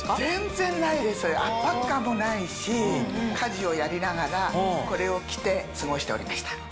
全然ないです圧迫感もないし家事をやりながらこれを着て過ごしておりました。